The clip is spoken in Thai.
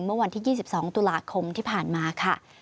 เมื่อวันที่๒๒ตุลาคมที่ผ่านมาค่ะ